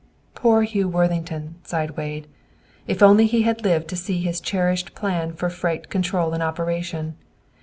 "Poor Hugh Worthington!" sighed Wade. "If he had only lived to see his cherished plan for freight control in operation.